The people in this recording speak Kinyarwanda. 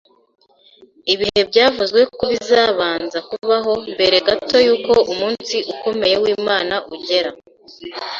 Ibihe byavuzwe ko bizabanza kubaho mbere gato y’uko umunsi ukomeye w’Imana ugera.